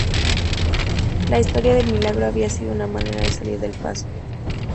La historia del milagro habría sido una manera de salir del paso.